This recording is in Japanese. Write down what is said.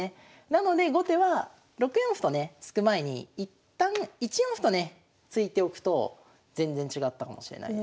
なので後手は６四歩とね突く前に一旦１四歩とね突いておくと全然違ったかもしれないですね。